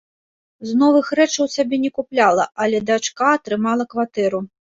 З новых рэчаў сабе не купляла, але дачка атрымала кватэру.